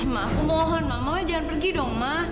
ma aku mohon ma mama jangan pergi dong ma